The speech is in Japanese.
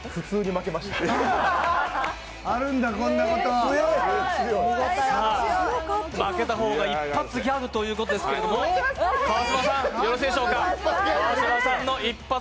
負けた方が一発ギャグということですけど川島さん、よろしいでしょうか。